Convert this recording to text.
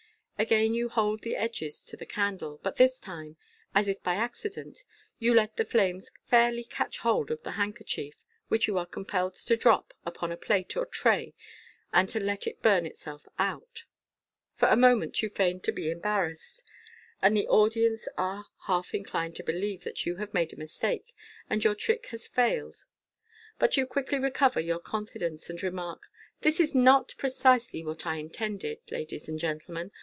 Again, you hold the edges to the candle, but this time, as if by accident, you let the flames fairly catch hold of the handkerchief, which you are compelled to drop upon a plate or tray, and to let it burn itself out. For a moment, you feign to be embarrassed, and the audience are half in clined to believe that you have made a mistake, and your trick has failed j but you quickly recover your confidence, and remark, " This is not precisely what I intended, ladies and gentlemen.